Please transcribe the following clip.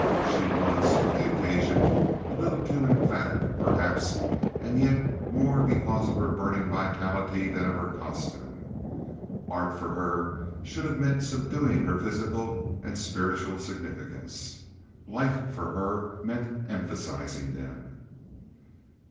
She was, for the occasion, a little too emphatic, perhaps, and yet more because of her burning vitality than of her costume. Art for her should have meant subduing her physical and spiritual significance. Life for her meant emphasizing them.